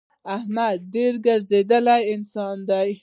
احمد ډېر ګرځېدلی انسان دی.